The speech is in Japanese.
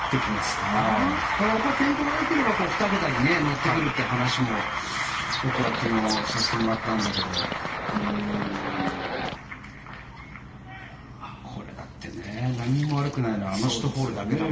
ただ、天候がよければ２桁に乗ってくるという話も僕は昨日させてもらったんだけどこれだって、何も悪くないあの１ホールだけだもんね。